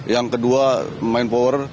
yang kedua main power